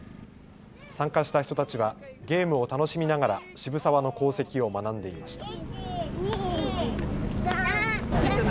参加した人たちはゲームを楽しみながら渋沢の功績を学んでいました。